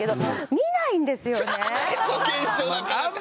見ないですかね？